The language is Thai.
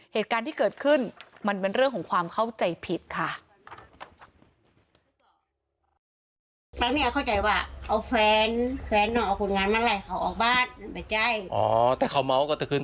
เหตุการณ์ที่เกิดขึ้นมันเป็นเรื่องของความเข้าใจผิดค่ะ